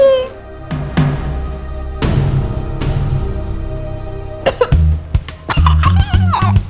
mas al kekiannya juga